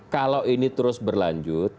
kalau ini terus berlanjut